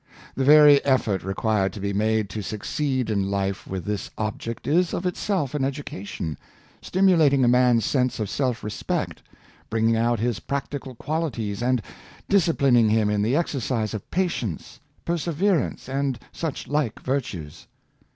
The very effort required to be made to succeed in life with this object is of itself an education, stimulating a man's sense of self respect, bringing out his practical qualities, and disciplining him in the exer cise of patience, perseverance, and such like virtues.